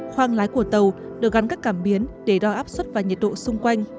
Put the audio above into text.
khoang lái của tàu được gắn các cảm biến để đo áp suất và nhiệt độ xung quanh